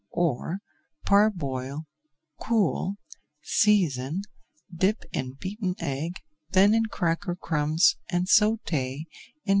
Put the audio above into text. Or, parboil, cool, season, dip in beaten egg, then in cracker crumbs and sauté in butter or lard.